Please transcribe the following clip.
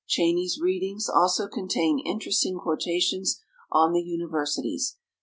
Cheyney's "Readings" also contain interesting quotations on the universities, pp.